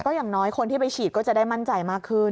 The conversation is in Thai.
อย่างน้อยคนที่ไปฉีดก็จะได้มั่นใจมากขึ้น